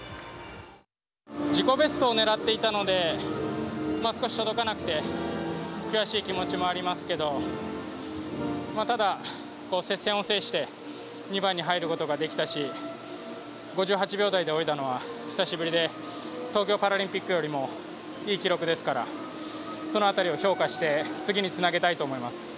自己ベストを狙っていたので少し届かなくて悔しい気持ちもありますけどただ、接戦を制して２番に入ることができたし５８秒台で泳いだのは久しぶりで東京パラリンピックよりもいい記録ですからその辺りを評価して次につなげたいと思います。